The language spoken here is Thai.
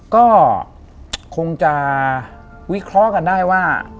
ก็คงจะวิเคราะห์กันได้ว่า